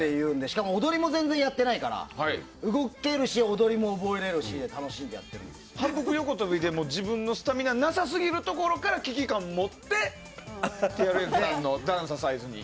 しかも踊りも全然やってないから動けるし踊りも覚えるしで反復横跳びで自分のスタミナなさすぎるところから危機感を持ってＴＲＦさんのダンササイズに。